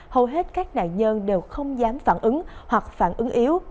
hầu hết các nạn nhân đều không dám phản ứng hoặc phản ứng yếu